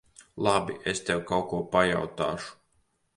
Labi. Es tev kaut ko pajautāšu.